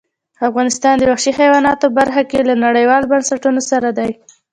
افغانستان د وحشي حیواناتو برخه کې له نړیوالو بنسټونو سره دی.